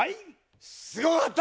すごかった！